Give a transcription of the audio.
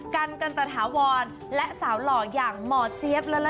กันกันตะถาวรและสาวหล่ออย่างหมอเจี๊ยบละลา